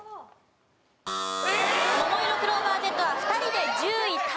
ももいろクローバーＺは２人で１０位タイです。